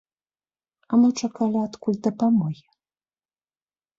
А мо чакалі адкуль дапамогі?